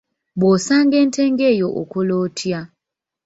Bw'osanga ente ng'eyo okola otya?